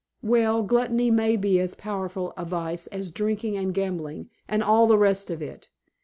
"Well, gluttony may be as powerful a vice as drinking and gambling, and all the rest of it.